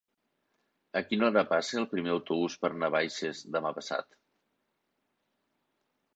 A quina hora passa el primer autobús per Navaixes demà passat?